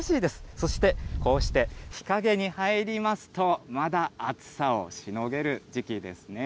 そしてこうして日陰に入りますと、まだ暑さをしのげる時期ですね。